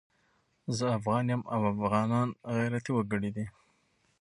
زه افغان یم او افغانان غيرتي وګړي دي